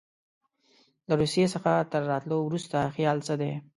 له روسیې څخه تر راوتلو وروسته خیال څه دی.